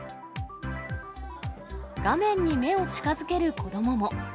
画面に目を近づける子どもも。